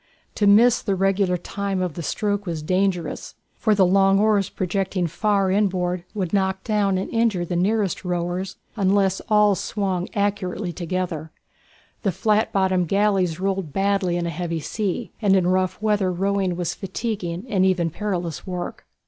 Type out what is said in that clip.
To miss the regular time of the stroke was dangerous, for the long oars projecting far inboard would knock down and injure the nearest rowers, unless all swung accurately together. The flat bottomed galleys rolled badly in a heavy sea, and in rough weather rowing was fatiguing and even perilous work.